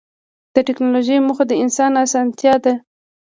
د ټکنالوجۍ موخه د انسان اسانتیا ده.